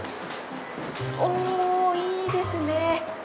おいいですね。